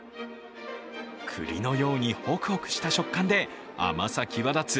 くりのようにホクホクした食感で甘さ際立つ